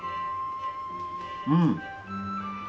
うん！